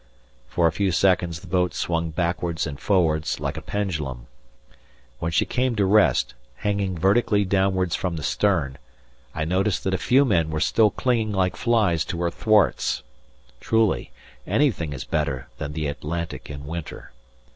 For a few seconds the boat swung backwards and forwards, like a pendulum. When she came to rest, hanging vertically downwards from the stern, I noticed that a few men were still clinging like flies to her thwarts. Truly, anything is better than the Atlantic in winter.